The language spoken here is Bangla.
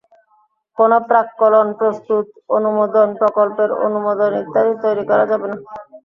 কোনো প্রাক্কলন প্রস্তুত, অনুমোদন, প্রকল্পের অনুমোদন ইত্যাদি তৈরি করা যাবে না।